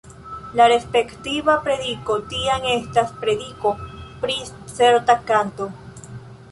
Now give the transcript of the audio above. La respektiva prediko tiam estas prediko pri certa kanto.